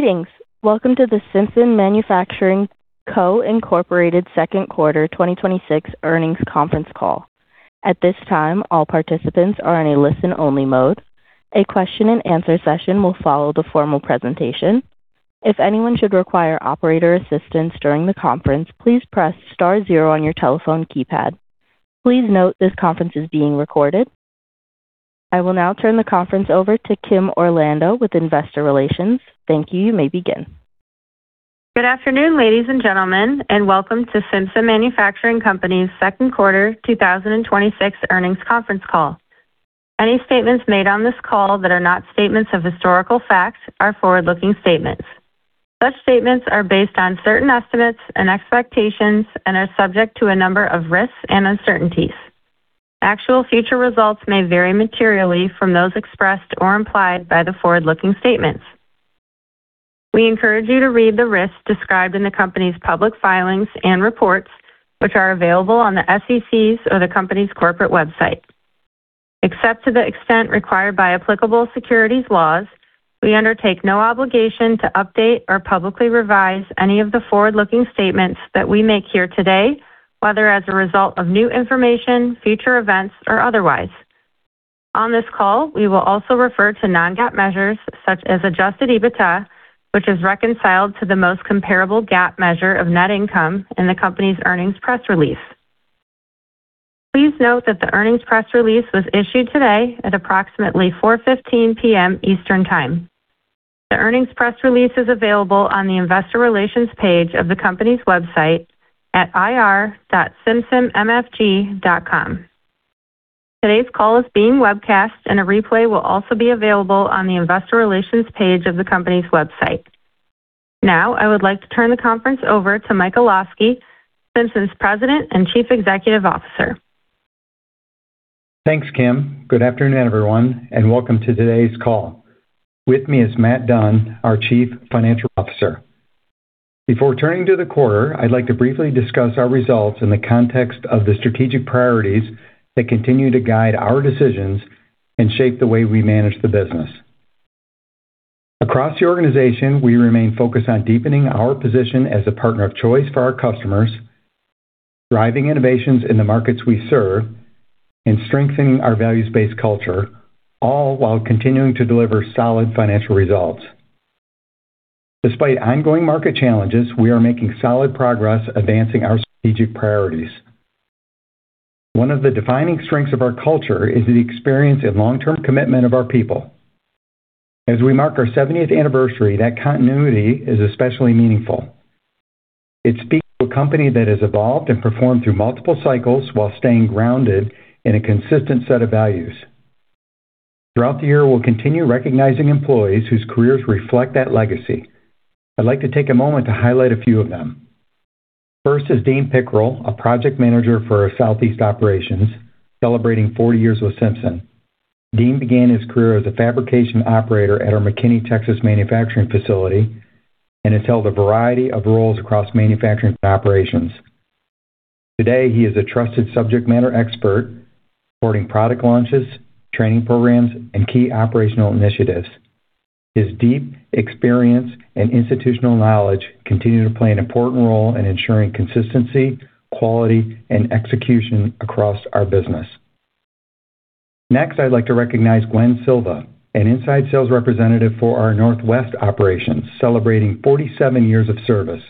Greetings. Welcome to the Simpson Manufacturing Co., Inc. Second Quarter 2026 Earnings Conference Call. At this time, all participants are in a listen-only mode. A question-and-answer session will follow the formal presentation. If anyone should require operator assistance during the conference, please press star zero on your telephone keypad. Please note this conference is being recorded. I will now turn the conference over to Kim Orlando with Investor Relations. Thank you. You may begin. Good afternoon, ladies and gentlemen, and welcome to Simpson Manufacturing Co., Inc.'s second quarter 2026 earnings conference call. Any statements made on this call that are not statements of historical fact are forward-looking statements. Such statements are based on certain estimates and expectations and are subject to a number of risks and uncertainties. Actual future results may vary materially from those expressed or implied by the forward-looking statements. We encourage you to read the risks described in the company's public filings and reports, which are available on the SEC's or the company's corporate website. Except to the extent required by applicable securities laws, we undertake no obligation to update or publicly revise any of the forward-looking statements that we make here today, whether as a result of new information, future events, or otherwise. On this call, we will also refer to non-GAAP measures such as adjusted EBITDA, which is reconciled to the most comparable GAAP measure of net income in the company's earnings press release. Please note that the earnings press release was issued today at approximately 4:15 P.M. Eastern Time. The earnings press release is available on the investor relations page of the company's website at ir.simpsonmfg.com. Today's call is being webcast, and a replay will also be available on the investor relations page of the company's website. Now, I would like to turn the conference over to Michael Olosky, Simpson's President and Chief Executive Officer. Thanks, Kim. Good afternoon, everyone, and welcome to today's call. With me is Matt Dunn, our Chief Financial Officer. Before turning to the quarter, I'd like to briefly discuss our results in the context of the strategic priorities that continue to guide our decisions and shape the way we manage the business. Across the organization, we remain focused on deepening our position as a partner of choice for our customers, driving innovations in the markets we serve, and strengthening our values-based culture, all while continuing to deliver solid financial results. Despite ongoing market challenges, we are making solid progress advancing our strategic priorities. One of the defining strengths of our culture is the experience and long-term commitment of our people. As we mark our 70th anniversary, that continuity is especially meaningful. It speaks to a company that has evolved and performed through multiple cycles while staying grounded in a consistent set of values. Throughout the year, we'll continue recognizing employees whose careers reflect that legacy. I'd like to take a moment to highlight a few of them. First is [Dane Pickerel], a Project Manager for our Southeast operations, celebrating 40 years with Simpson. Dane began his career as a fabrication operator at our McKinney, Texas, manufacturing facility and has held a variety of roles across manufacturing and operations. Today, he is a trusted Subject Matter Expert, supporting product launches, training programs, and key operational initiatives. His deep experience and institutional knowledge continue to play an important role in ensuring consistency, quality, and execution across our business. Next, I'd like to recognize Gwen Silva, an Inside Sales Representative for our Northwest operations, celebrating 47 years of service.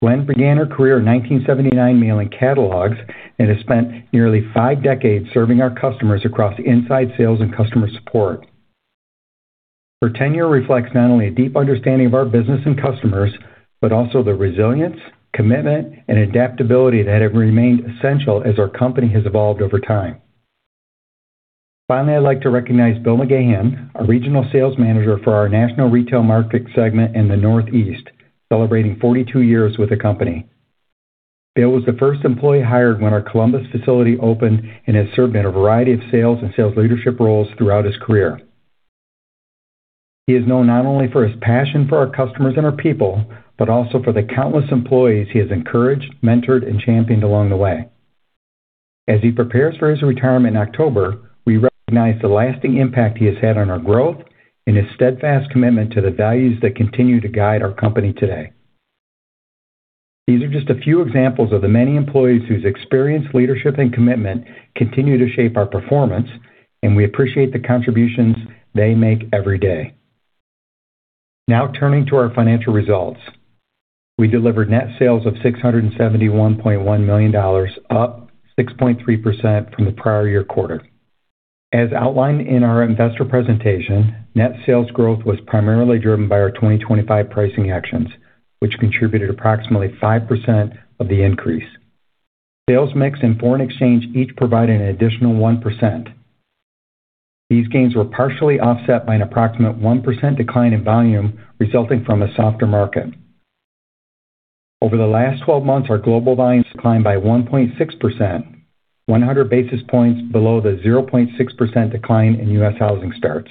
Gwen began her career in 1979 mailing catalogs and has spent nearly five decades serving our customers across inside sales and customer support. Her tenure reflects not only a deep understanding of our business and customers, but also the resilience, commitment, and adaptability that have remained essential as our company has evolved over time. Finally, I'd like to recognize Bill Megahan, our Regional Sales Manager for our National Retail Market Segment in the Northeast, celebrating 42 years with the company. Bill was the first employee hired when our Columbus facility opened and has served in a variety of sales and sales leadership roles throughout his career. He is known not only for his passion for our customers and our people, but also for the countless employees he has encouraged, mentored, and championed along the way. As he prepares for his retirement in October, we recognize the lasting impact he has had on our growth and his steadfast commitment to the values that continue to guide our company today. These are just a few examples of the many employees whose experience, leadership, and commitment continue to shape our performance, and we appreciate the contributions they make every day. Now turning to our financial results. We delivered net sales of $671.1 million, up 6.3% from the prior year quarter. As outlined in our investor presentation, net sales growth was primarily driven by our 2025 pricing actions, which contributed approximately 5% of the increase. Sales mix and foreign exchange each provided an additional 1%. These gains were partially offset by an approximate 1% decline in volume resulting from a softer market. Over the last 12 months, our global volumes declined by 1.6%, 100 basis points below the 0.6% decline in U.S. housing starts.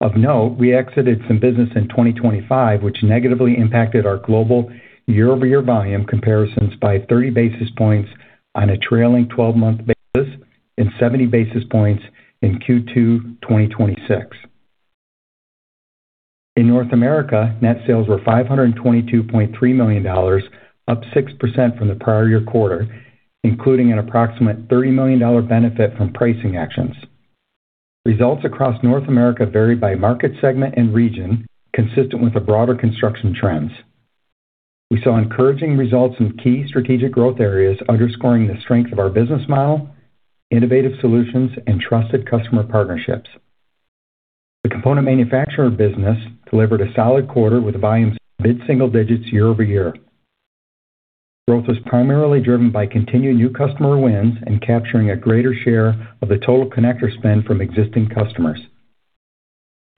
Of note, we exited some business in 2025 which negatively impacted our global year-over-year volume comparisons by 30 basis points on a trailing 12-month basis and 70 basis points in Q2 2026. In North America, net sales were $522.3 million, up 6% from the prior year quarter, including an approximate $30 million benefit from pricing actions. Results across North America varied by market segment and region, consistent with the broader construction trends. We saw encouraging results in key strategic growth areas, underscoring the strength of our business model, innovative solutions, and trusted customer partnerships. The component manufacturer business delivered a solid quarter with volumes mid-single digits year-over-year. Growth was primarily driven by continued new customer wins and capturing a greater share of the total connector spend from existing customers.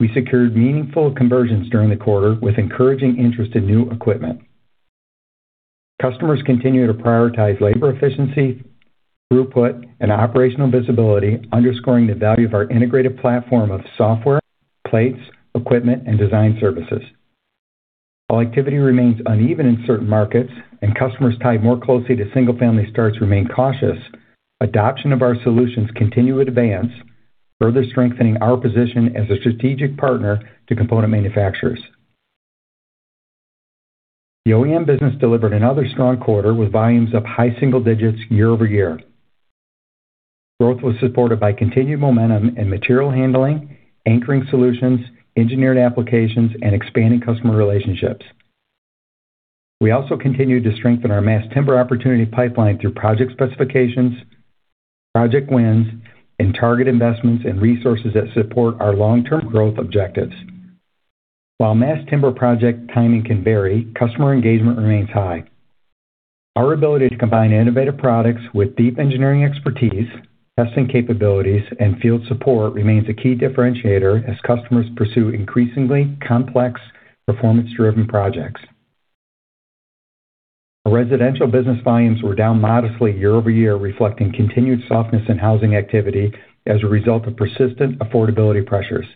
We secured meaningful conversions during the quarter with encouraging interest in new equipment. Customers continue to prioritize labor efficiency, throughput, and operational visibility, underscoring the value of our integrated platform of software, plates, equipment, and design services. While activity remains uneven in certain markets and customers tied more closely to single-family starts remain cautious, adoption of our solutions continue to advance, further strengthening our position as a strategic partner to component manufacturers. The OEM business delivered another strong quarter with volumes up high-single digits year-over-year. Growth was supported by continued momentum in material handling, anchoring solutions, engineered applications, and expanding customer relationships. We also continued to strengthen our mass timber opportunity pipeline through project specifications, project wins, and target investments and resources that support our long-term growth objectives. While mass timber project timing can vary, customer engagement remains high. Our ability to combine innovative products with deep engineering expertise, testing capabilities, and field support remains a key differentiator as customers pursue increasingly complex, performance-driven projects. Our residential business volumes were down modestly year-over-year, reflecting continued softness in housing activity as a result of persistent affordability pressures.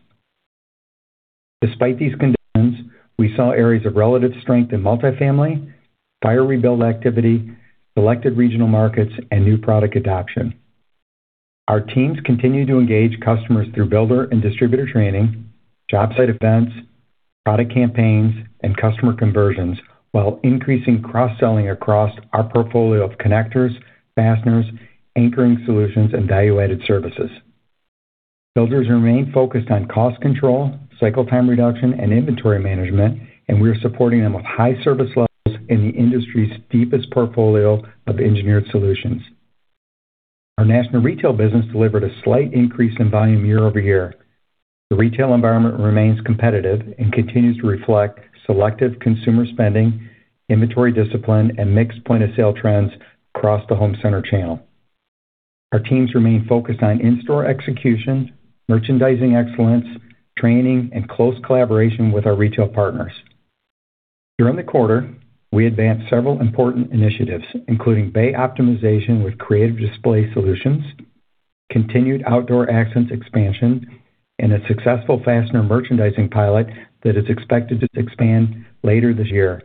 Despite these conditions, we saw areas of relative strength in multi-family, fire rebuild activity, selected regional markets, and new product adoption. Our teams continue to engage customers through builder and distributor training, job site events, product campaigns, and customer conversions while increasing cross-selling across our portfolio of connectors, fasteners, anchoring solutions, and value-added services. Builders remain focused on cost control, cycle time reduction, and inventory management, and we are supporting them with high service levels in the industry's deepest portfolio of engineered solutions. Our national retail business delivered a slight increase in volume year-over-year. The retail environment remains competitive and continues to reflect selective consumer spending, inventory discipline, and mixed point-of-sale trends across the home center channel. Our teams remain focused on in-store execution, merchandising excellence, training, and close collaboration with our retail partners. During the quarter, we advanced several important initiatives, including bay optimization with creative display solutions, continued Outdoor Accents expansion, and a successful fastener merchandising pilot that is expected to expand later this year.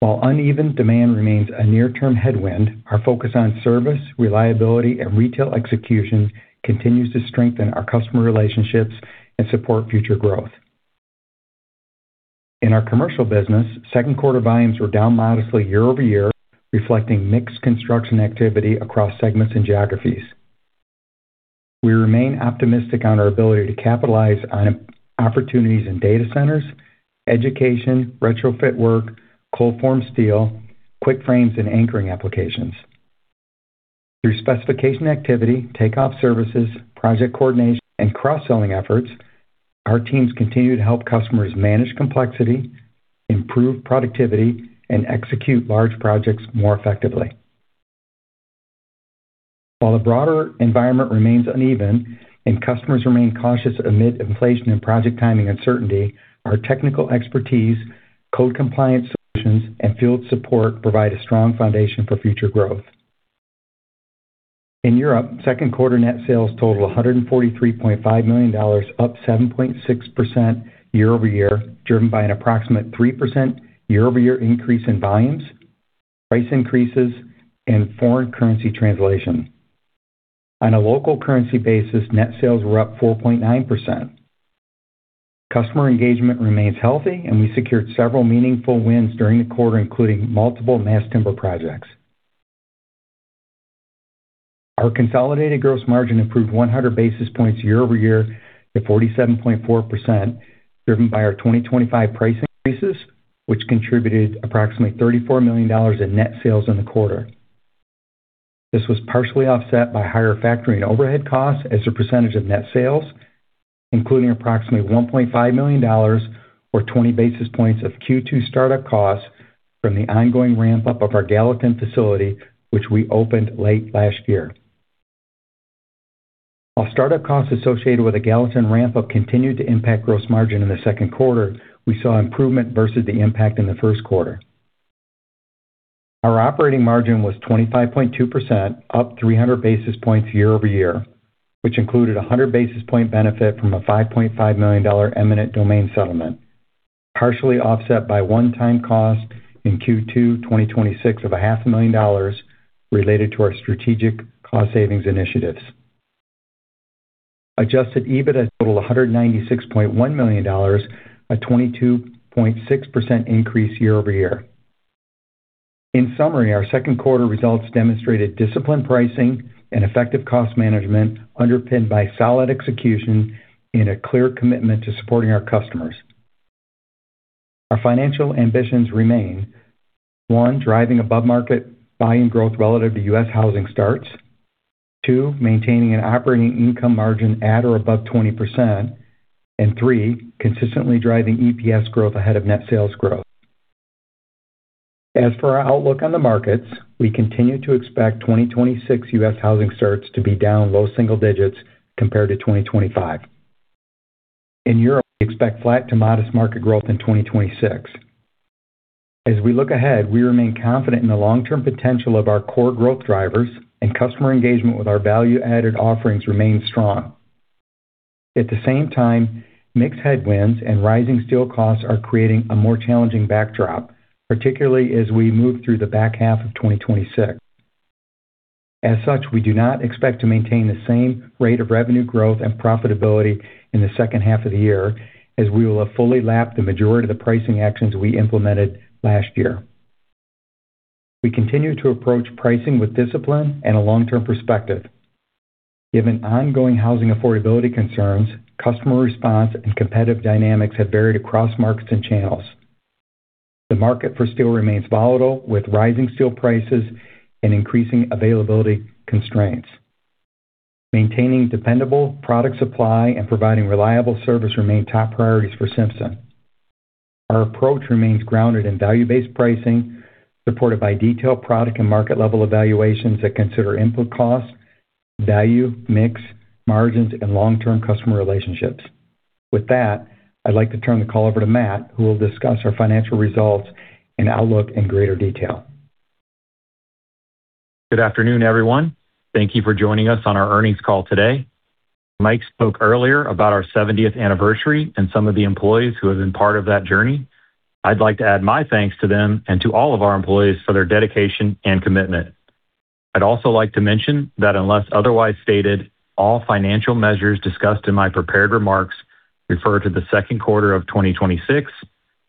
While uneven demand remains a near-term headwind, our focus on service, reliability, and retail execution continues to strengthen our customer relationships and support future growth. In our commercial business, second quarter volumes were down modestly year-over-year, reflecting mixed construction activity across segments and geographies. We remain optimistic on our ability to capitalize on opportunities in data centers, education, retrofit work, cold-formed steel, QuickFrames, and anchoring applications. Through specification activity, takeoff services, project coordination, and cross-selling efforts, our teams continue to help customers manage complexity, improve productivity, and execute large projects more effectively. While the broader environment remains uneven and customers remain cautious amid inflation and project timing uncertainty, our technical expertise, code compliance solutions, and field support provide a strong foundation for future growth. In Europe, second quarter net sales totaled $143.5 million, up 7.6% year-over-year, driven by an approximate 3% year-over-year increase in volumes, price increases, and foreign currency translation. On a local currency basis, net sales were up 4.9%. Customer engagement remains healthy, we secured several meaningful wins during the quarter, including multiple mass timber projects. Our consolidated gross margin improved 100 basis points year-over-year to 47.4%, driven by our 2025 price increases, which contributed approximately $34 million in net sales in the quarter. This was partially offset by higher factory and overhead costs as a percentage of net sales, including approximately $1.5 million or 20 basis points of Q2 startup costs from the ongoing ramp-up of our Gallatin facility, which we opened late last year. While startup costs associated with the Gallatin ramp-up continued to impact gross margin in the second quarter, we saw improvement versus the impact in the first quarter. Our operating margin was 25.2%, up 300 basis points year-over-year, which included 100 basis point benefit from a $5.5 million eminent domain settlement. Partially offset by one-time cost in Q2 2026 of a $500,000 related to our strategic cost savings initiatives. Adjusted EBITDA totaled $196.1 million, a 22.6% increase year-over-year. In summary, our second quarter results demonstrated disciplined pricing and effective cost management underpinned by solid execution and a clear commitment to supporting our customers. Our financial ambitions remain, one, driving above-market volume growth relative to U.S. housing starts, two, maintaining an operating income margin at or above 20%, and three, consistently driving EPS growth ahead of net sales growth. As for our outlook on the markets, we continue to expect 2026 U.S. housing starts to be down low single digits compared to 2025. In Europe, we expect flat to modest market growth in 2026. As we look ahead, we remain confident in the long-term potential of our core growth drivers and customer engagement with our value-added offerings remain strong. At the same time, mix headwinds and rising steel costs are creating a more challenging backdrop, particularly as we move through the back half of 2026. As such, we do not expect to maintain the same rate of revenue growth and profitability in the second half of the year, as we will have fully lapped the majority of the pricing actions we implemented last year. We continue to approach pricing with discipline and a long-term perspective. Given ongoing housing affordability concerns, customer response and competitive dynamics have varied across markets and channels. The market for steel remains volatile, with rising steel prices and increasing availability constraints. Maintaining dependable product supply and providing reliable service remain top priorities for Simpson. Our approach remains grounded in value-based pricing, supported by detailed product and market level evaluations that consider input costs, value, mix, margins, and long-term customer relationships. With that, I'd like to turn the call over to Matt, who will discuss our financial results and outlook in greater detail. Good afternoon, everyone. Thank you for joining us on our earnings call today. Mike spoke earlier about our 70th anniversary and some of the employees who have been part of that journey. I'd like to add my thanks to them and to all of our employees for their dedication and commitment. I'd also like to mention that unless otherwise stated, all financial measures discussed in my prepared remarks refer to the second quarter of 2026,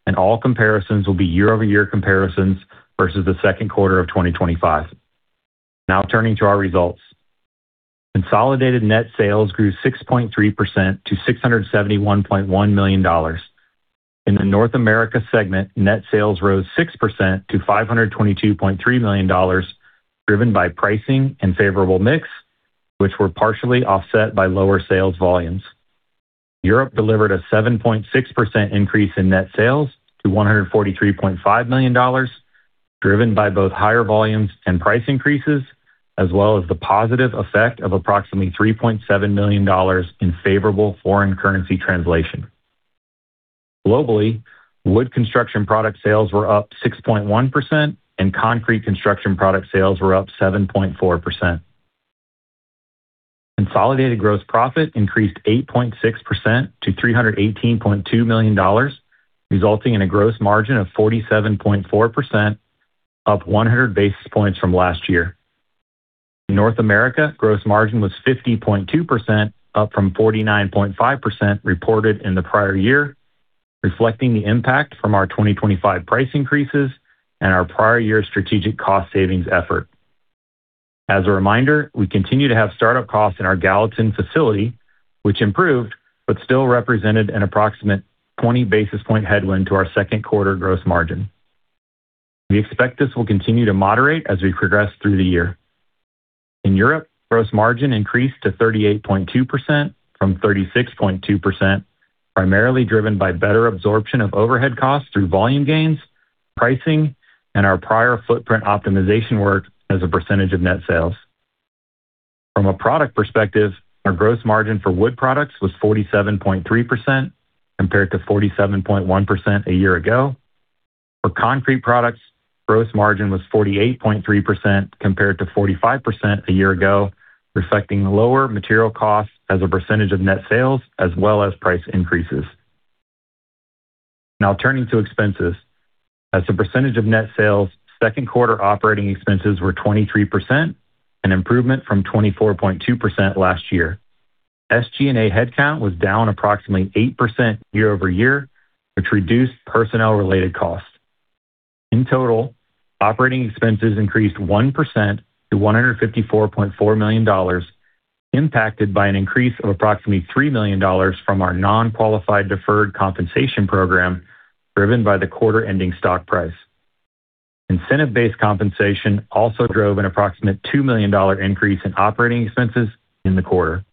and all comparisons will be year-over-year comparisons versus the second quarter of 2025. Turning to our results. Consolidated net sales grew 6.3% to $671.1 million. In the North America segment, net sales rose 6% to $522.3 million, driven by pricing and favorable mix, which were partially offset by lower sales volumes. Europe delivered a 7.6% increase in net sales to $143.5 million, driven by both higher volumes and price increases, as well as the positive effect of approximately $3.7 million in favorable foreign currency translation. Globally, wood construction product sales were up 6.1%, and concrete construction product sales were up 7.4%. Consolidated gross profit increased 8.6% to $318.2 million, resulting in a gross margin of 47.4%, up 100 basis points from last year. In North America, gross margin was 50.2%, up from 49.5% reported in the prior year, reflecting the impact from our 2025 price increases and our prior year strategic cost savings effort. As a reminder, we continue to have start-up costs in our Gallatin facility, which improved, but still represented an approximate 20 basis point headwind to our second quarter gross margin. We expect this will continue to moderate as we progress through the year. In Europe, gross margin increased to 38.2% from 36.2%, primarily driven by better absorption of overhead costs through volume gains, pricing, and our prior footprint optimization work as a percentage of net sales. From a product perspective, our gross margin for wood products was 47.3% compared to 47.1% a year ago. For concrete products, gross margin was 48.3% compared to 45% a year ago, reflecting lower material costs as a percentage of net sales as well as price increases. Turning to expenses. As a percentage of net sales, second quarter operating expenses were 23%, an improvement from 24.2% last year. SG&A headcount was down approximately 8% year-over-year, which reduced personnel-related costs. In total, operating expenses increased 1% to $154.4 million, impacted by an increase of approximately $3 million from our non-qualified deferred compensation program, driven by the quarter-ending stock price. Incentive-based compensation also drove an approximate $2 million increase in operating expenses in the quarter.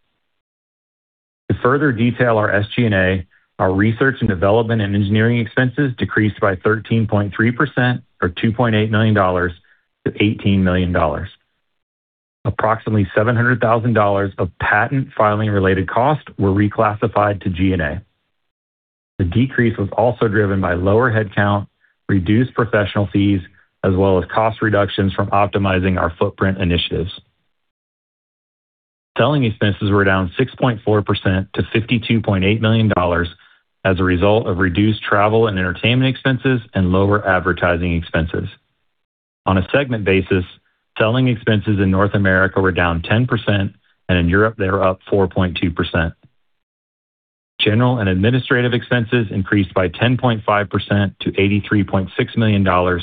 To further detail our SG&A, our research and development and engineering expenses decreased by 13.3%, or $2.8 million-$18 million. Approximately $700,000 of patent filing related costs were reclassified to G&A. The decrease was also driven by lower headcount, reduced professional fees, as well as cost reductions from optimizing our footprint initiatives. Selling expenses were down 6.4% to $52.8 million as a result of reduced travel and entertainment expenses and lower advertising expenses. On a segment basis, selling expenses in North America were down 10%, and in Europe they were up 4.2%. General and administrative expenses increased by 10.5% to $83.6 million,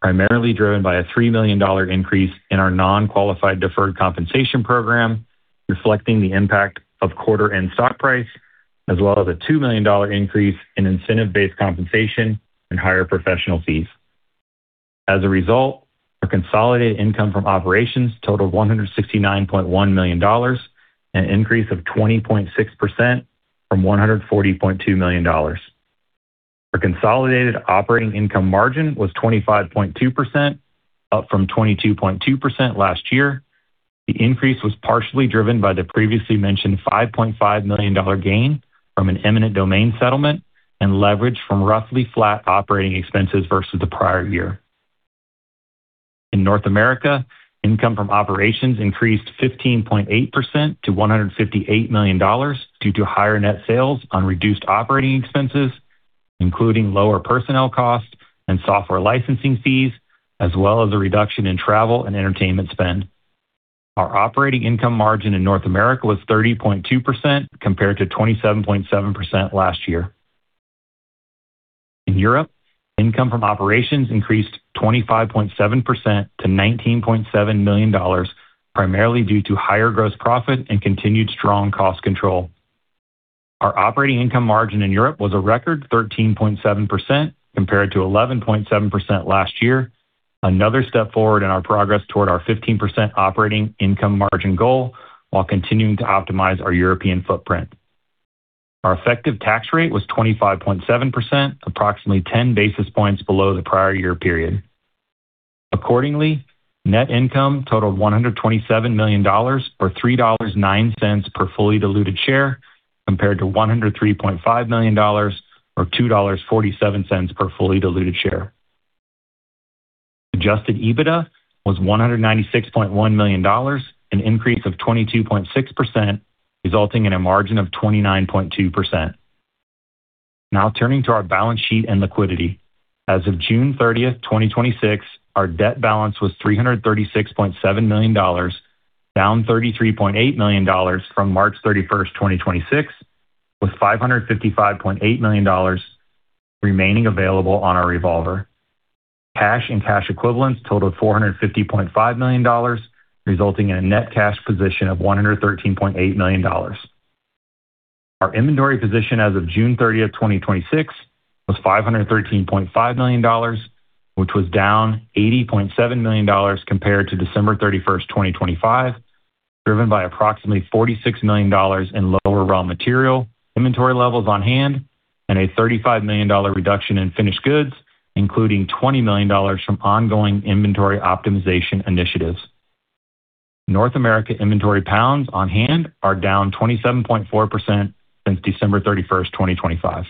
primarily driven by a $3 million increase in our non-qualified deferred compensation program, reflecting the impact of quarter and stock price, as well as a $2 million increase in incentive-based compensation and higher professional fees. As a result, our consolidated income from operations totaled $169.1 million, an increase of 20.6% from $140.2 million. Our consolidated operating income margin was 25.2%, up from 22.2% last year. The increase was partially driven by the previously mentioned $5.5 million gain from an eminent domain settlement and leverage from roughly flat operating expenses versus the prior year. In North America, income from operations increased 15.8% to $158 million due to higher net sales on reduced operating expenses, including lower personnel costs and software licensing fees, as well as a reduction in travel and entertainment spend. Our operating income margin in North America was 30.2% compared to 27.7% last year. In Europe, income from operations increased 25.7% to $19.7 million, primarily due to higher gross profit and continued strong cost control. Our operating income margin in Europe was a record 13.7%, compared to 11.7% last year, another step forward in our progress toward our 15% operating income margin goal while continuing to optimize our European footprint. Our effective tax rate was 25.7%, approximately 10 basis points below the prior year period. Accordingly, net income totaled $127 million, or $3.09 per fully diluted share, compared to $103.5 million, or $2.47 per fully diluted share. Adjusted EBITDA was $196.1 million, an increase of 22.6%, resulting in a margin of 29.2%. Now turning to our balance sheet and liquidity. As of June 30th, 2026, our debt balance was $336.7 million, down $33.8 million from March 31st, 2026, with $555.8 million remaining available on our revolver. Cash and cash equivalents totaled $450.5 million, resulting in a net cash position of $113.8 million. Our inventory position as of June 30th, 2026, was $513.5 million, which was down $80.7 million compared to December 31st, 2025, driven by approximately $46 million in lower raw material inventory levels on hand and a $35 million reduction in finished goods, including $20 million from ongoing inventory optimization initiatives. North America inventory pounds on hand are down 27.4% since December 31st, 2025.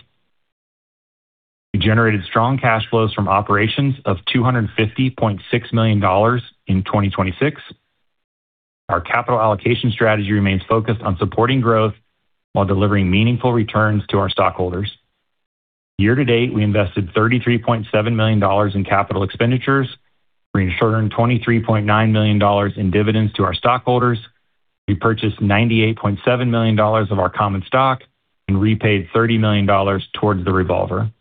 We generated strong cash flows from operations of $250.6 million in 2026. Our capital allocation strategy remains focused on supporting growth while delivering meaningful returns to our stockholders. Year-to-date, we invested $33.7 million in capital expenditures, returned $23.9 million in dividends to our stockholders. We purchased $98.7 million of our common stock and repaid $30 million towards the revolver.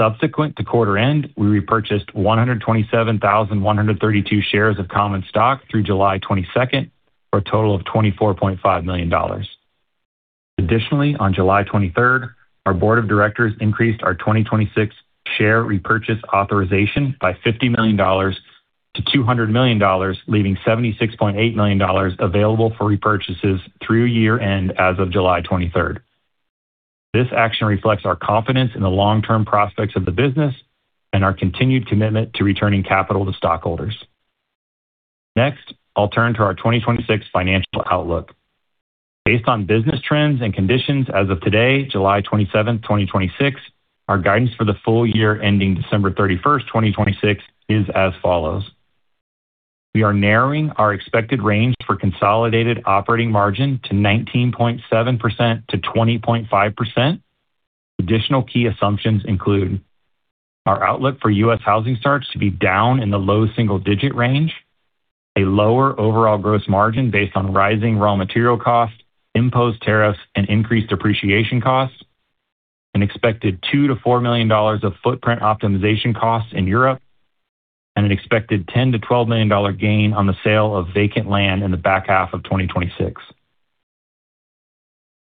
Subsequent to quarter end, we repurchased 127,132 shares of common stock through July 22nd for a total of $24.5 million. Additionally, on July 23rd, our Board of Directors increased our 2026 share repurchase authorization by $50 million-$200 million, leaving $76.8 million available for repurchases through year-end as of July 23rd. This action reflects our confidence in the long-term prospects of the business and our continued commitment to returning capital to stockholders. Next, I'll turn to our 2026 financial outlook. Based on business trends and conditions as of today, July 27th, 2026, our guidance for the full year ending December 31st, 2026, is as follows. We are narrowing our expected range for consolidated operating margin to 19.7%-20.5%. Additional key assumptions include our outlook for U.S. housing starts to be down in the low-single-digit range, a lower overall gross margin based on rising raw material costs, imposed tariffs, and increased depreciation costs, an expected $2 million-$4 million of footprint optimization costs in Europe, and an expected $10 million-$12 million gain on the sale of vacant land in the back half of 2026.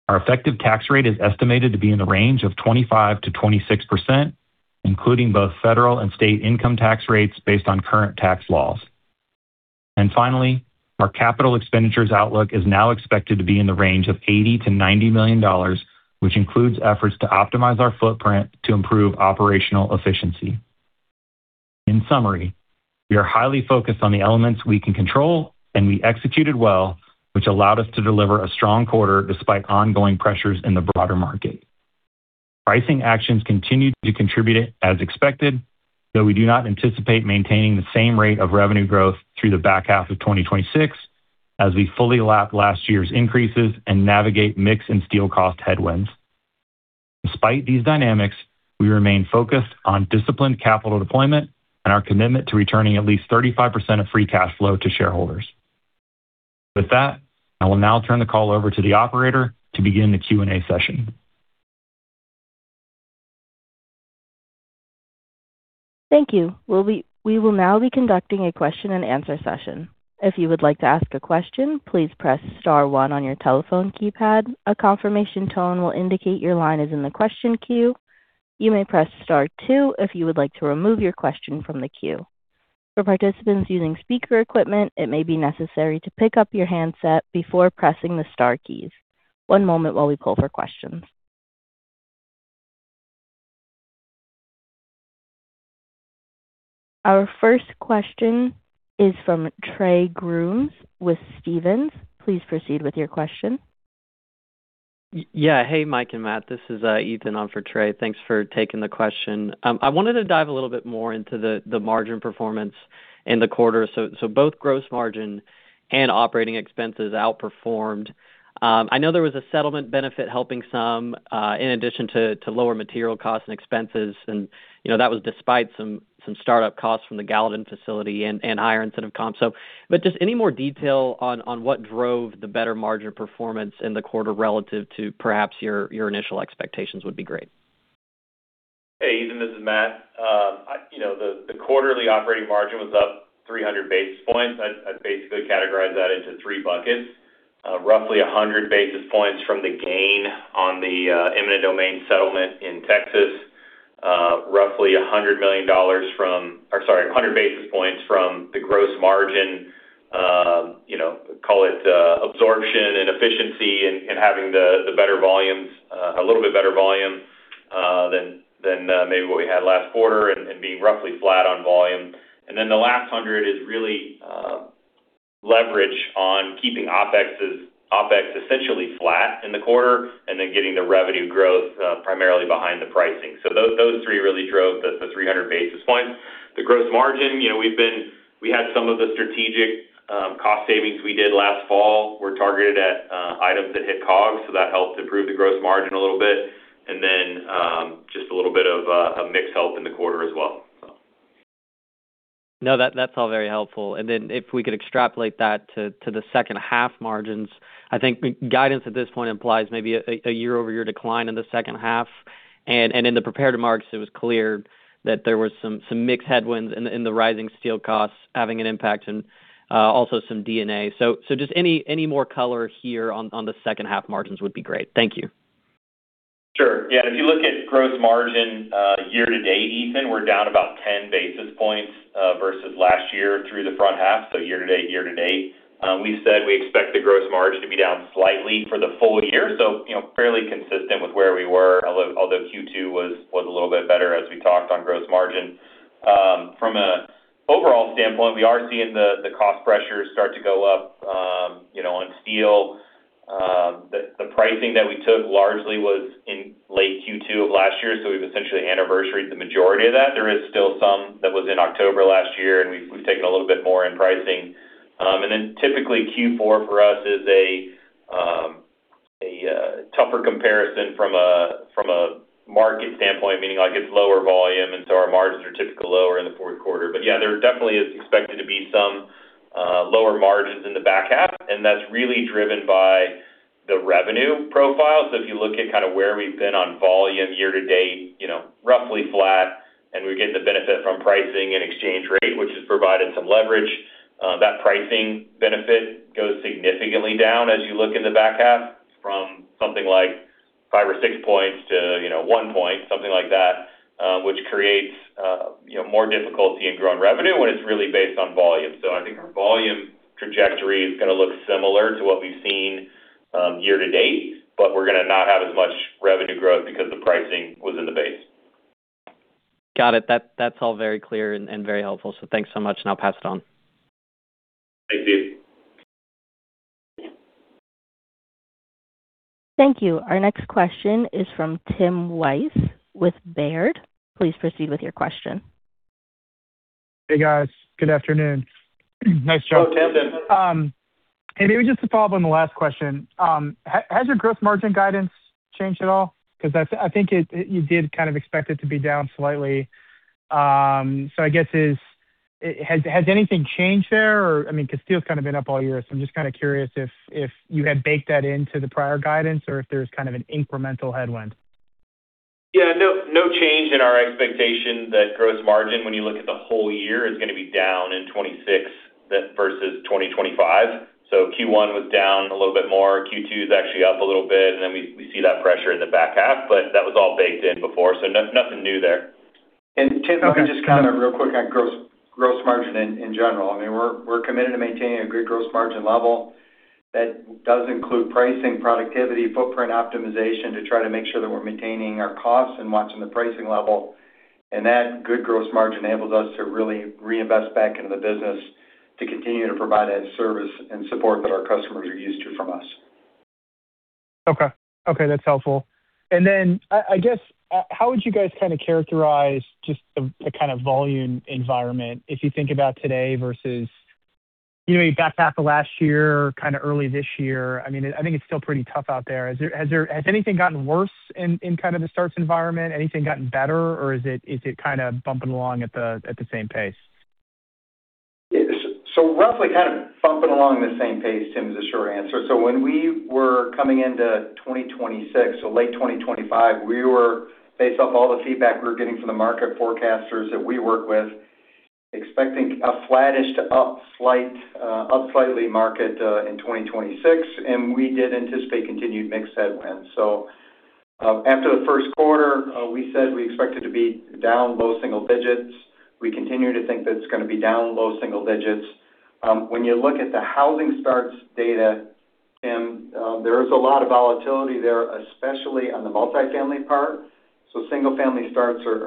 Our effective tax rate is estimated to be in the range of 25%-26%, including both federal and state income tax rates based on current tax laws. Finally, our capital expenditures outlook is now expected to be in the range of $80 million-$90 million, which includes efforts to optimize our footprint to improve operational efficiency. In summary, we are highly focused on the elements we can control, and we executed well, which allowed us to deliver a strong quarter despite ongoing pressures in the broader market. Pricing actions continued to contribute as expected, though we do not anticipate maintaining the same rate of revenue growth through the back half of 2026 as we fully lap last year's increases and navigate mix and steel cost headwinds. Despite these dynamics, we remain focused on disciplined capital deployment and our commitment to returning at least 35% of free cash flow to shareholders. With that, I will now turn the call over to the operator to begin the Q&A session. Thank you. We will now be conducting a question and answer session. If you would like to ask a question, please press star one on your telephone keypad. A confirmation tone will indicate your line is in the question queue. You may press star two if you would like to remove your question from the queue. For participants using speaker equipment, it may be necessary to pick up your handset before pressing the star keys. One moment while we pull for questions. Our first question is from Trey Grooms with Stephens. Please proceed with your question. Yeah. Hey, Mike and Matt, this is Ethan on for Trey. Thanks for taking the question. I wanted to dive a little bit more into the margin performance in the quarter. Both gross margin and operating expenses outperformed. I know there was a settlement benefit helping some, in addition to lower material costs and expenses, and that was despite some startup costs from the Gallatin facility and higher incentive comp. Just any more detail on what drove the better margin performance in the quarter relative to perhaps your initial expectations would be great? Hey, Ethan, this is Matt. The quarterly operating margin was up 300 basis points. I'd basically categorize that into three buckets. Roughly 100 basis points from the gain on the eminent domain settlement in Texas. Roughly 100 basis points from the gross margin, call it absorption and efficiency and having the better volumes, a little bit better volume, than maybe what we had last quarter and being roughly flat on volume. The last 100 is really leverage on keeping OpEx essentially flat in the quarter and then getting the revenue growth primarily behind the pricing. Those three really drove the 300 basis points. The gross margin, we had some of the strategic cost savings we did last fall were targeted at items that hit COGS, so that helped improve the gross margin a little bit. Just a little bit of a mix help in the quarter as well. No, that's all very helpful. If we could extrapolate that to the second half margins, I think guidance at this point implies maybe a year-over-year decline in the second half. In the prepared remarks, it was clear that there was some mix headwinds in the rising steel costs having an impact and also some D&A. Just any more color here on the second half margins would be great. Thank you. Sure. Yeah. If you look at gross margin year to date, Ethan, we're down about 10 basis points versus last year through the front half, so year-to-date. We said we expect the gross margin to be down slightly for the full year. Fairly consistent with where we were, although Q2 was a little bit better as we talked on gross margin. From an overall standpoint, we are seeing the cost pressures start to go up on steel. The pricing that we took largely was in late Q2 of last year, so we've essentially anniversaried the majority of that. There is still some that was in October last year, and we've taken a little bit more in pricing. Typically Q4 for us is a tougher comparison from a market standpoint, meaning it's lower volume, and so our margins are typically lower in the fourth quarter. Yeah, there definitely is expected to be some lower margins in the back half, and that's really driven by the revenue profile. If you look at where we've been on volume year-to-date, roughly flat, and we get the benefit from pricing and exchange rate, which has provided some leverage. That pricing benefit goes significantly down as you look in the back half from something like five or six points to one point, something like that, which creates more difficulty in growing revenue when it's really based on volume. I think our volume trajectory is going to look similar to what we've seen year to date, but we're going to not have as much revenue growth because the pricing was in the base. Got it. That's all very clear and very helpful. Thanks so much, and I'll pass it on. Thank you. Thank you. Our next question is from Tim Wojs with Baird. Please proceed with your question. Hey, guys. Good afternoon. Nice job. Hello, Tim. Hey, maybe just to follow up on the last question. Has your gross margin guidance changed at all? I think you did kind of expect it to be down slightly. I guess, has anything changed there? Steel's kind of been up all year, so I'm just kind of curious if you had baked that into the prior guidance or if there's kind of an incremental headwind? Yeah. No change in our expectation that gross margin, when you look at the whole year, is going to be down in 2026 versus 2025. Q1 was down a little bit more. Q2 is actually up a little bit, and then we see that pressure in the back half, but that was all baked in before, nothing new there. Tim, if I could just comment real quick on gross margin in general. We're committed to maintaining a good gross margin level that does include pricing, productivity, footprint optimization to try to make sure that we're maintaining our costs and watching the pricing level. That good gross margin enables us to really reinvest back into the business to continue to provide that service and support that our customers are used to from us. Okay. That's helpful. Then, I guess, how would you guys characterize just the kind of volume environment if you think about today versus your back half of last year, early this year? I think it's still pretty tough out there. Has anything gotten worse in the starts environment? Anything gotten better? Or is it bumping along at the same pace? Roughly kind of bumping along the same pace, Tim, is the short answer. When we were coming into 2026, late 2025, based off all the feedback we were getting from the market forecasters that we work with, expecting a flattish to up slightly market in 2026. We did anticipate continued mix headwinds. After the first quarter, we said we expected to be down low-single digits. We continue to think that it's going to be down low-single digits. When you look at the housing starts data, Tim, there is a lot of volatility there, especially on the multifamily part. Single-family starts are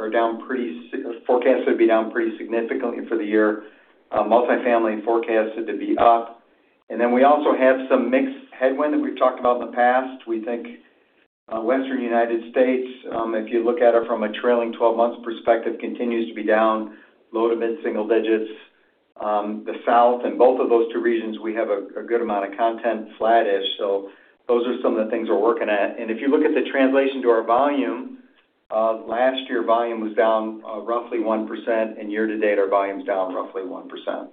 forecasted to be down pretty significantly for the year. Multifamily forecasted to be up. Then we also have some mixed headwind that we've talked about in the past. We think Western United States, if you look at it from a trailing 12 months perspective, continues to be down low-to mid-single digits. The South and both of those two regions, we have a good amount of content, flattish. Those are some of the things we're working at. If you look at the translation to our volume, last year volume was down roughly 1%, and year-to-date, our volume's down roughly 1%.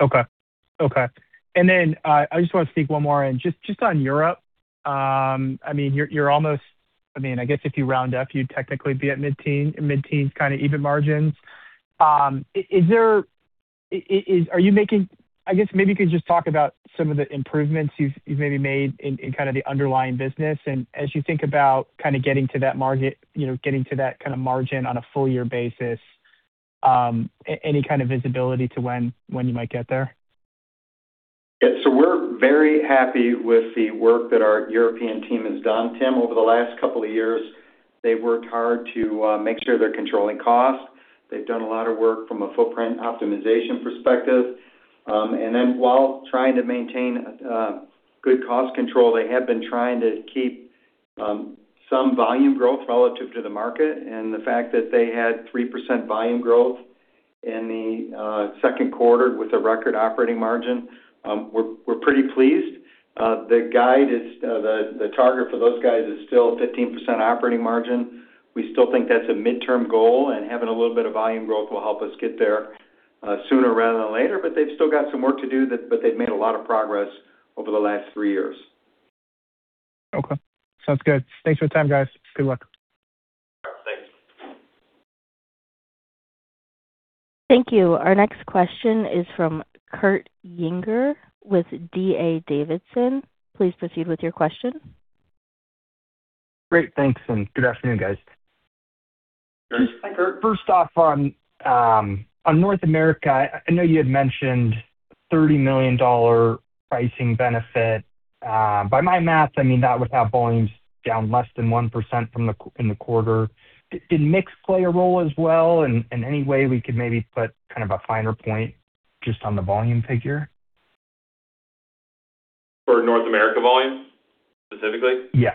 Okay. I just want to sneak one more in. Just on Europe, I guess if you round up, you'd technically be at mid-teen, kind of even margins. I guess maybe you could just talk about some of the improvements you've maybe made in the underlying business, and as you think about getting to that kind of margin on a full year basis, any kind of visibility to when you might get there? Yeah. We're very happy with the work that our European team has done, Tim. Over the last couple of years, they've worked hard to make sure they're controlling costs. They've done a lot of work from a footprint optimization perspective. While trying to maintain good cost control, they have been trying to keep some volume growth relative to the market, and the fact that they had 3% volume growth in the second quarter with a record operating margin, we're pretty pleased. The target for those guys is still 15% operating margin. We still think that's a midterm goal, and having a little bit of volume growth will help us get there sooner rather than later. They've still got some work to do, but they've made a lot of progress over the last three years. Okay. Sounds good. Thanks for the time, guys. Good luck. Yeah. Thanks. Thank you. Our next question is from Kurt Yinger with D.A. Davidson. Please proceed with your question. Great. Thanks, and good afternoon, guys. Thanks, Kurt. First off, on North America, I know you had mentioned $30 million pricing benefit. By my math, that would have volumes down less than 1% in the quarter. Did mix play a role as well? Any way we could maybe put kind of a finer point just on the volume figure? For North America volume specifically? Yes,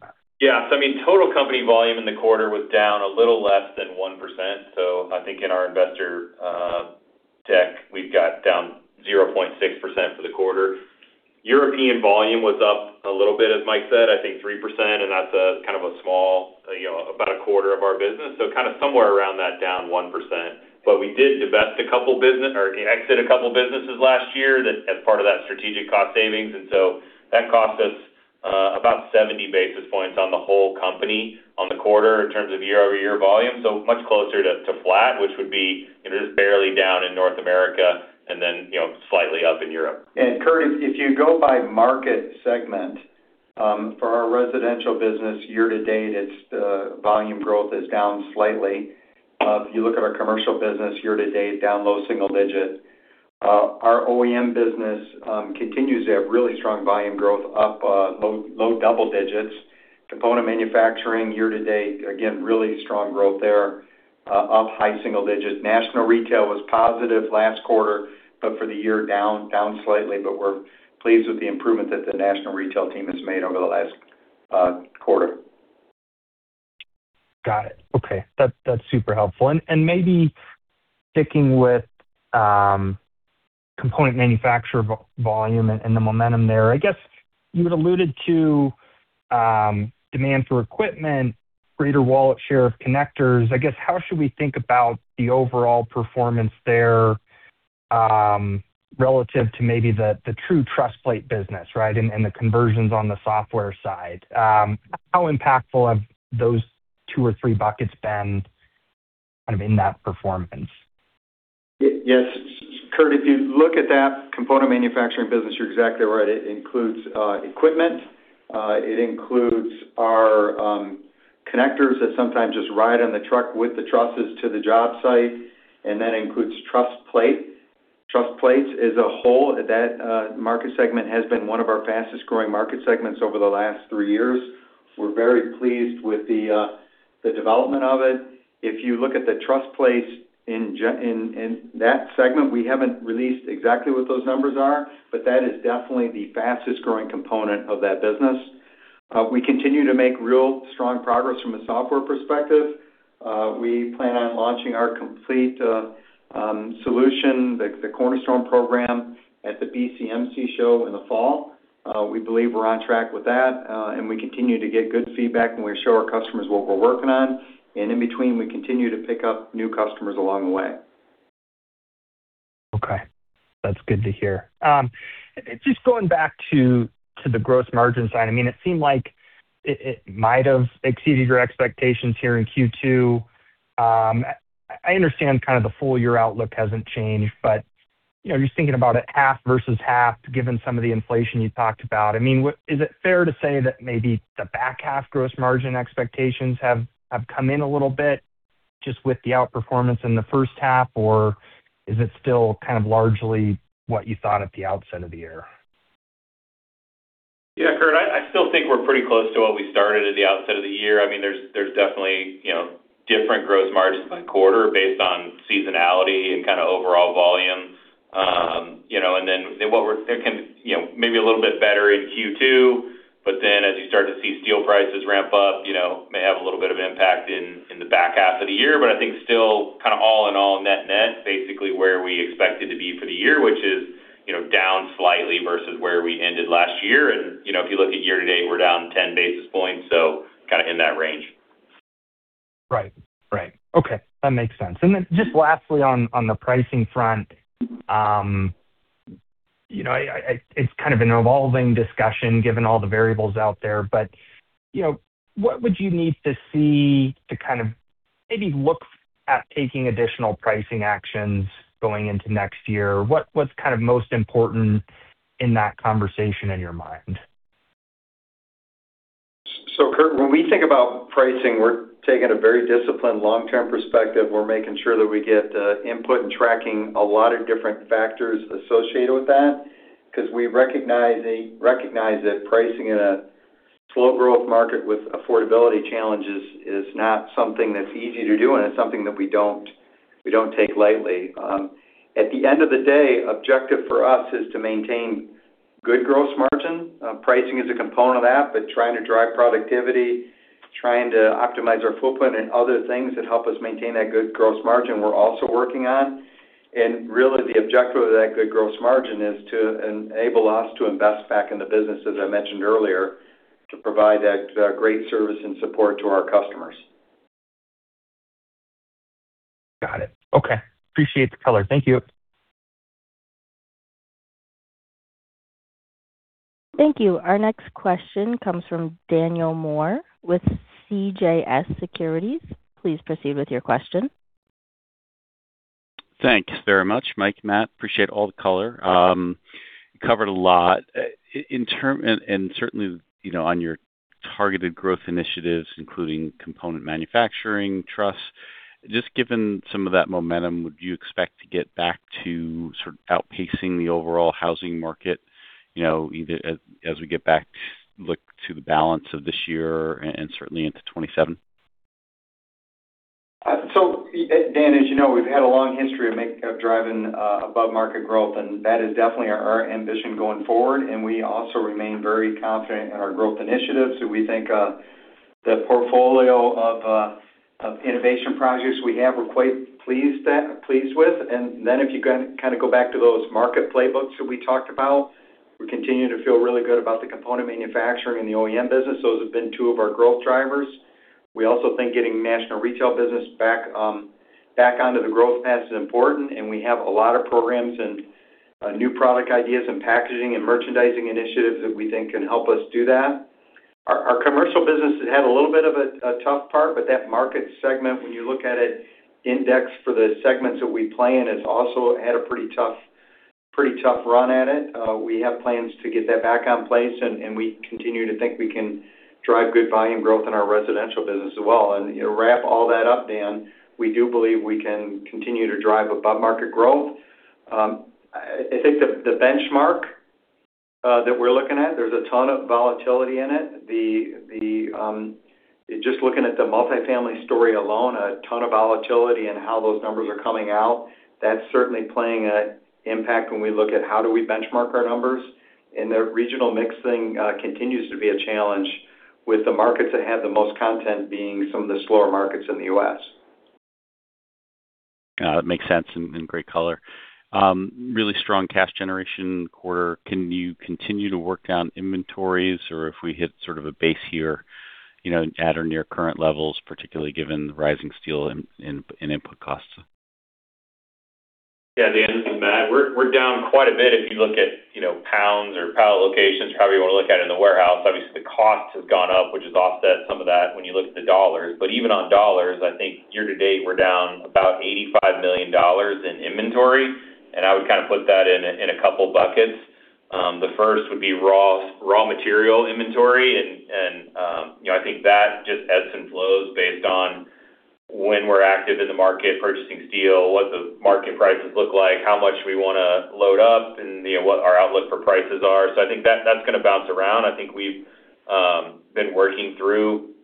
Matt. Yeah. Total company volume in the quarter was down a little less than 1%. I think in our investor deck, we've got down 0.6% for the quarter. European volume was up a little bit, as Mike said, I think 3%, and that's kind of a small, about a quarter of our business. Kind of somewhere around that down 1%. We did divest a couple business or exit a couple businesses last year as part of that strategic cost savings. That cost us about 70 basis points on the whole company on the quarter in terms of year-over-year volume. Much closer to flat, which would be just barely down in North America and then slightly up in Europe. Kurt, if you go by market segment, for our residential business year-to-date, volume growth is down slightly. If you look at our commercial business year-to-date, down low-single digits. Our OEM business continues to have really strong volume growth up low-double digits. Component manufacturing year-to-date, again, really strong growth there, up high-single digits. National retail was positive last quarter, for the year down slightly. We're pleased with the improvement that the national retail team has made over the last quarter. Got it. Okay. That's super helpful. Maybe sticking with component manufacturer volume and the momentum there. You had alluded to demand for equipment, greater wallet share of connectors. How should we think about the overall performance there, relative to maybe the true truss plate business, right? The conversions on the software side. How impactful have those two or three buckets been kind of in that performance? Yes, Kurt, if you look at that component manufacturing business, you're exactly right. It includes equipment. It includes our connectors that sometimes just ride on the truck with the trusses to the job site. It includes truss plate. Truss plates as a whole, that market segment has been one of our fastest-growing market segments over the last three years. We're very pleased with the development of it. If you look at the truss plate in that segment, we haven't released exactly what those numbers are, but that is definitely the fastest-growing component of that business. We continue to make real strong progress from a software perspective. We plan on launching our complete solution, the Cornerstone program, at the BCMC show in the fall. We believe we're on track with that, we continue to get good feedback when we show our customers what we're working on. In between, we continue to pick up new customers along the way. That's good to hear. Going back to the gross margin side, it seemed like it might have exceeded your expectations here in Q2. I understand the full year outlook hasn't changed, thinking about it half vs half, given some of the inflation you talked about, is it fair to say that maybe the back half gross margin expectations have come in a little bit just with the outperformance in the first half? Is it still largely what you thought at the outset of the year? Yeah, Kurt, I still think we're pretty close to what we started at the outset of the year. There's definitely different gross margins by quarter based on seasonality and overall volume. Maybe a little bit better in Q2, as you start to see steel prices ramp up, may have a little bit of impact in the back half of the year. I think still all in all, net net, basically where we expected to be for the year, which is down slightly versus where we ended last year. If you look at year-to-date, we're down 10 basis points, so in that range. Right. Okay. That makes sense. Lastly on the pricing front. It's kind of an evolving discussion given all the variables out there, what would you need to see to maybe look at taking additional pricing actions going into next year? What's most important in that conversation in your mind? Kurt, when we think about pricing, we're taking a very disciplined long-term perspective. We're making sure that we get input and tracking a lot of different factors associated with that, because we recognize that pricing in a slow-growth market with affordability challenges is not something that's easy to do, and it's something that we don't take lightly. At the end of the day, objective for us is to maintain good gross margin. Pricing is a component of that, trying to drive productivity, trying to optimize our footprint and other things that help us maintain that good gross margin, we're also working on. Really the objective of that good gross margin is to enable us to invest back in the business, as I mentioned earlier, to provide that great service and support to our customers. Got it. Okay. Appreciate the color. Thank you. Thank you. Our next question comes from Daniel Moore with CJS Securities. Please proceed with your question. Thanks very much, Mike, Matt. Appreciate all the color. Covered a lot. Certainly on your targeted growth initiatives, including component manufacturing truss, just given some of that momentum, would you expect to get back to sort of outpacing the overall housing market as we get back, look to the balance of this year and certainly into 2027? Dan, as you know, we've had a long history of driving above-market growth, and that is definitely our ambition going forward, and we also remain very confident in our growth initiatives that we think the portfolio of innovation projects we have we're quite pleased with. Then if you go back to those market playbooks that we talked about, we continue to feel really good about the component manufacturing and the OEM business. Those have been two of our growth drivers. We also think getting National Retail business back onto the growth path is important, and we have a lot of programs and new product ideas and packaging and merchandising initiatives that we think can help us do that. Our commercial business has had a little bit of a tough part, but that market segment, when you look at it indexed for the segments that we play in, has also had a pretty tough run at it. We have plans to get that back on place, and we continue to think we can drive good volume growth in our residential business as well. To wrap all that up, Dan, we do believe we can continue to drive above-market growth. I think the benchmark that we're looking at, there's a ton of volatility in it. Just looking at the multifamily story alone, a ton of volatility in how those numbers are coming out. That's certainly playing an impact when we look at how do we benchmark our numbers. The regional mixing continues to be a challenge with the markets that have the most content being some of the slower markets in the U.S. Makes sense and great color. Really strong cash generation quarter. Can you continue to work down inventories? If we hit sort of a base here at or near current levels, particularly given the rising steel and input costs? Yeah, Dan, this is Matt. We're down quite a bit if you look at pounds or pallet locations or however you want to look at it in the warehouse. Obviously, the cost has gone up, which has offset some of that when you look at the dollars. Even on dollars, I think year-to-date, we're down about $85 million in inventory, and I would put that in a couple buckets. The first would be raw material inventory I think that just ebbs and flows based on when we're active in the market purchasing steel, what the market prices look like, how much we want to load up, and what our outlook for prices are. I think that's going to bounce around. I think we've been working through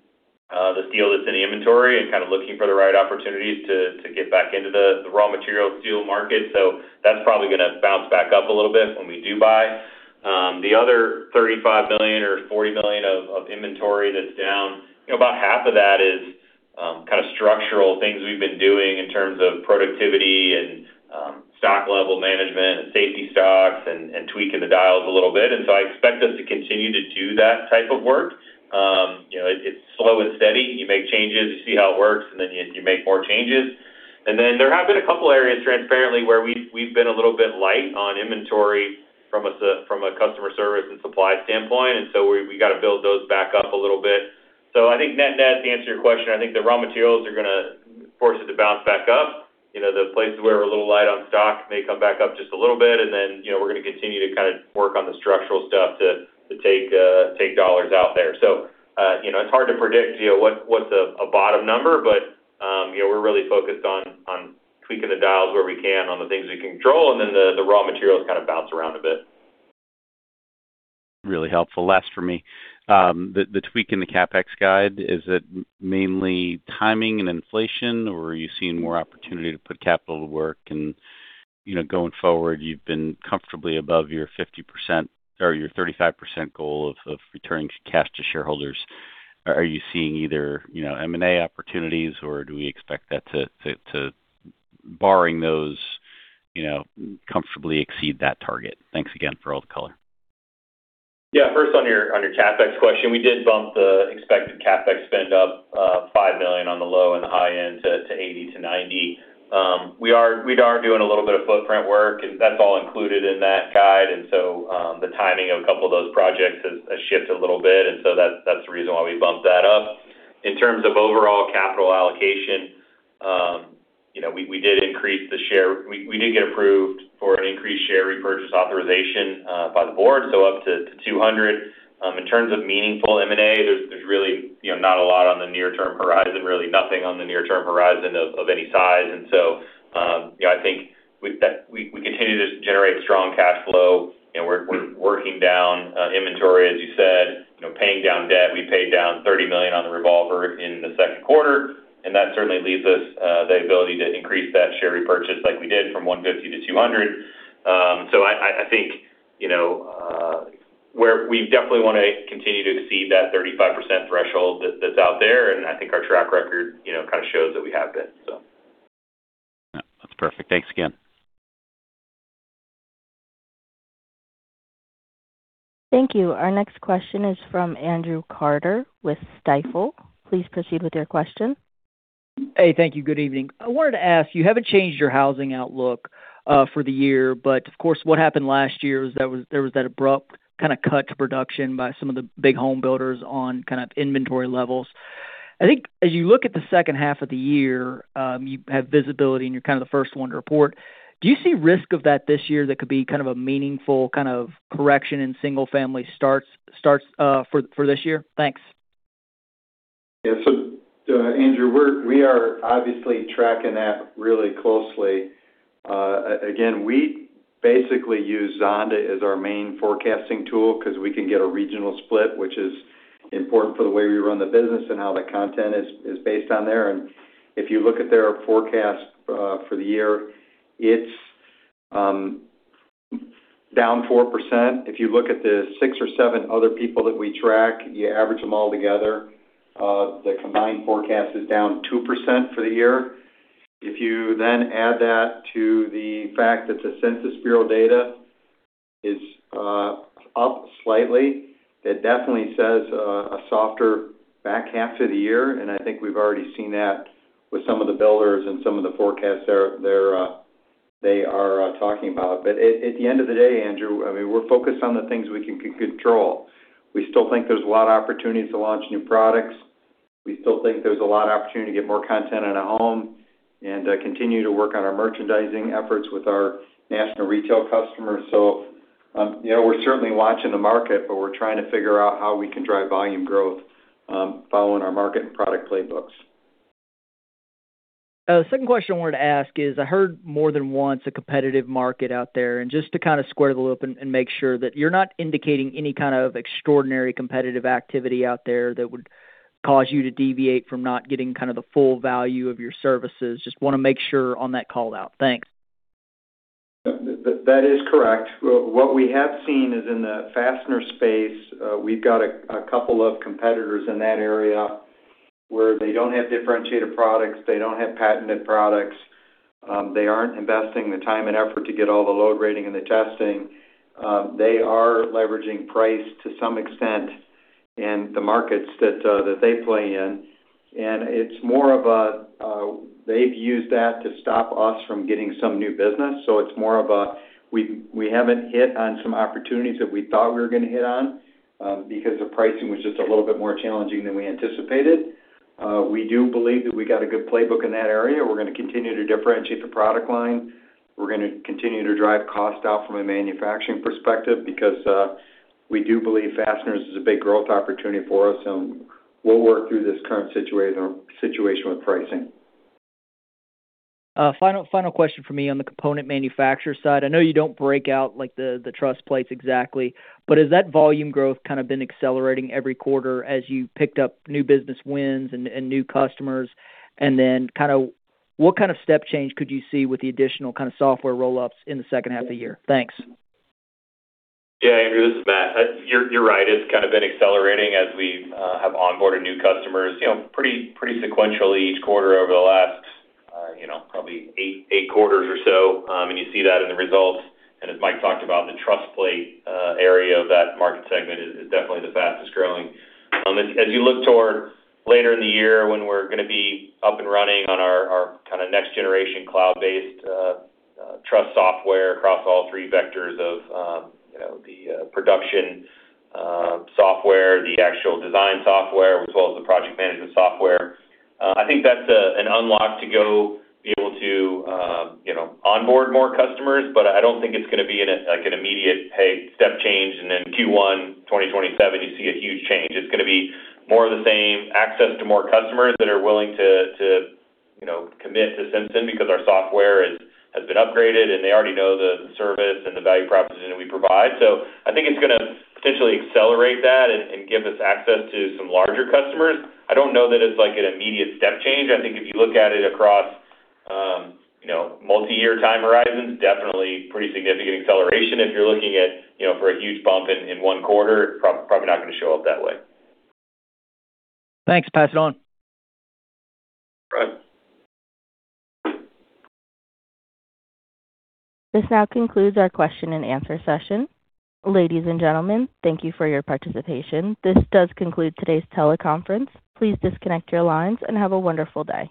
the steel that's in the inventory and kind of looking for the right opportunities to get back into the raw material steel market. That's probably going to bounce back up a little bit when we do buy. The other $35 million or $40 million of inventory that's down, about half of that is structural things we've been doing in terms of productivity and stock level management and safety stocks and tweaking the dials a little bit. I expect us to continue to do that type of work. It's slow and steady. You make changes, you see how it works, and then you make more changes. There have been a couple areas, transparently, where we've been a little bit light on inventory from a customer service and supply standpoint. We got to build those back up a little bit. I think, net, to answer your question, I think the raw materials are going to force it to bounce back up. The places where we're a little light on stock may come back up just a little bit. We're going to continue to work on the structural stuff to take dollars out there. It's hard to predict what's a bottom number, but we're really focused on tweaking the dials where we can on the things we control, and then the raw materials kind of bounce around a bit. Really helpful. Last for me. The tweak in the CapEx guide, is it mainly timing and inflation, or are you seeing more opportunity to put capital to work and, going forward, you've been comfortably above your 50%, or your 35% goal of returning cash to shareholders. Are you seeing either M&A opportunities, or do we expect that to, barring those, comfortably exceed that target? Thanks again for all the color. First, on your CapEx question, we did bump the expected CapEx spend up $5 million on the low and the high end to $80 million-$90 million. That's all included in that guide. The timing of a couple of those projects has shifted a little bit, that's the reason why we bumped that up. In terms of overall capital allocation, we did get approved for an increased share repurchase authorization by the Board, so up to $200 million. In terms of meaningful M&A, there's really not a lot on the near-term horizon, really nothing on the near-term horizon of any size. I think we continue to generate strong cash flow and we're working down inventory, as you said. Paying down debt, we paid down $30 million on the revolver in the second quarter, that certainly leaves us the ability to increase that share repurchase like we did from 150-200. I think we definitely want to continue to exceed that 35% threshold that's out there, I think our track record kind of shows that we have been. That's perfect. Thanks again. Thank you. Our next question is from Andrew Carter with Stifel. Please proceed with your question. Hey, thank you. Good evening. I wanted to ask, you haven't changed your housing outlook for the year, of course, what happened last year was there was that abrupt kind of cut to production by some of the big home builders on kind of inventory levels. I think as you look at the second half of the year, you have visibility and you're kind of the first one to report. Do you see risk of that this year that could be kind of a meaningful kind of correction in single-family starts for this year? Thanks. Yeah. Andrew, we are obviously tracking that really closely. Again, we basically use Zonda as our main forecasting tool because we can get a regional split, which is important for the way we run the business and how the content is based on there. If you look at their forecast for the year, it's down 4%. If you look at the six or seven other people that we track, you average them all together, the combined forecast is down 2% for the year. If you add that to the fact that the Census Bureau data is up slightly, it definitely says a softer back half to the year, and I think we've already seen that with some of the builders and some of the forecasts they are talking about. At the end of the day, Andrew, we're focused on the things we can control. We still think there's a lot of opportunities to launch new products. We still think there's a lot of opportunity to get more content in a home and continue to work on our merchandising efforts with our national retail customers. We're certainly watching the market, we're trying to figure out how we can drive volume growth following our market and product playbooks. The second question I wanted to ask is, I heard more than once, a competitive market out there, just to kind of square the loop and make sure that you're not indicating any kind of extraordinary competitive activity out there that would cause you to deviate from not getting kind of the full value of your services. Just want to make sure on that call-out? Thanks. That is correct. What we have seen is in the fastener space, we've got a couple of competitors in that area where they don't have differentiated products. They don't have patented products. They aren't investing the time and effort to get all the load rating and the testing. They are leveraging price to some extent in the markets that they play in, they've used that to stop us from getting some new business. It's more of a, we haven't hit on some opportunities that we thought we were going to hit on because the pricing was just a little bit more challenging than we anticipated. We do believe that we got a good playbook in that area. We're going to continue to differentiate the product line. We're going to continue to drive cost out from a manufacturing perspective because we do believe fasteners is a big growth opportunity for us, and we'll work through this current situation with pricing. Final question from me on the component manufacturer side. I know you don't break out the truss plates exactly, has that volume growth kind of been accelerating every quarter as you picked up new business wins and new customers? What kind of step change could you see with the additional software roll-ups in the second half of the year? Thanks. Yeah, Andrew, this is Matt. You're right. It's kind of been accelerating as we have onboarded new customers pretty sequentially each quarter over the last probably eight quarters or so. You see that in the results. As Mike talked about, the truss plate area of that market segment is definitely the fastest-growing. As you look toward later in the year when we're going to be up and running on our next generation cloud-based truss software across all three vectors of the production software, the actual design software, as well as the project management software, I think that's an unlock to be able to onboard more customers. I don't think it's going to be like an immediate, hey, step change, and then Q1 2027, you see a huge change. It's going to be more of the same access to more customers that are willing to commit to Simpson because our software has been upgraded, and they already know the service and the value proposition that we provide. I think it's going to potentially accelerate that and give us access to some larger customers. I don't know that it's an immediate step change. I think if you look at it across multi-year time horizons, definitely pretty significant acceleration. If you're looking for a huge bump in one quarter, probably not going to show up that way. Thanks. Pass it on. Right. This now concludes our question and answer session. Ladies and gentlemen, thank you for your participation. This does conclude today's teleconference. Please disconnect your lines and have a wonderful day.